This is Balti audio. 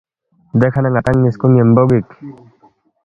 دیکھہ نہ ن٘دانگ نِ٘یسکو ن٘یمبو گِک